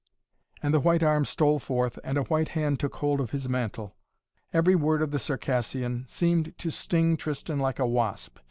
And the white arm stole forth and a white hand took hold of his mantle. Every word of the Circassian seemed to sting Tristan like a wasp.